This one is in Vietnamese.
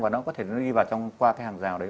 và nó có thể nó đi qua cái hàng rào đấy